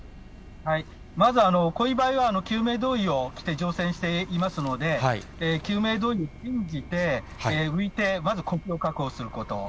まず、こういう場合は救命胴衣を着て乗船していますので、救命胴衣を信じて浮いて、まず呼吸を確保すること。